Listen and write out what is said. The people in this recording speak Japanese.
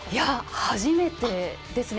初めてですね。